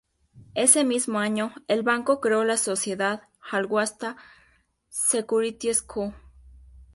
Ese mismo año, el banco creó la sociedad Al-Wasta Securities Co.